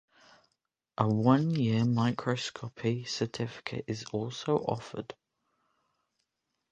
A one-year Microscopy Certificate is also offered.